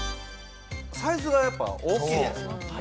サイズがやっぱ大きいんですよ。